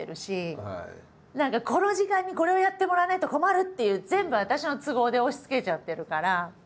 何かこの時間にこれをやってもらわないと困るっていう全部私の都合で押しつけちゃってるから。